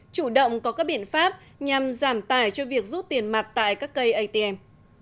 chủ động có các biện pháp nhằm giảm tài cho việc rút tiền mặt tại các cây atm